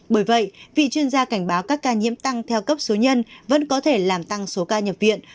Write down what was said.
bởi vậy vị chuyên gia cảnh báo các ca nhiễm tăng theo cấp số nhân vẫn có thể làm tăng số ca nhập viện